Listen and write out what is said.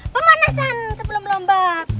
pemanasan sebelum lombak